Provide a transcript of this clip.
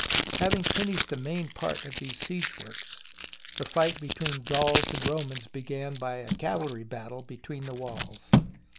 Having finished the main part of these siege works, the fight between Gauls and Romans be gan by a cavalry battle between the walls.